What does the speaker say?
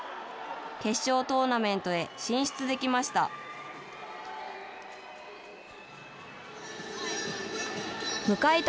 決勝トーナメントへ進出できました。